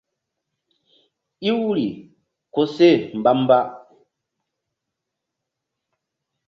Iwri koseh mbamba.